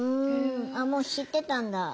あっもう知ってたんだ？